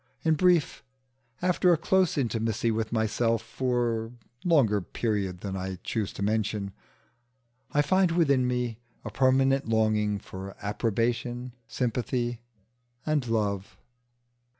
In brief, after a close intimacy with myself for a longer period than I choose to mention, I find within me a permanent longing for approbation, sympathy, and love.